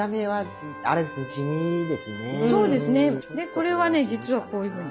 これはね実はこういうふうに。